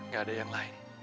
gak ada yang lain